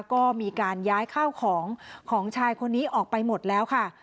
ก็มีการย้ายข้าวของของชายคนนี้ออกไปหมดแล้วค่ะ